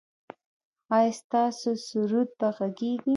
ایا ستاسو سرود به غږیږي؟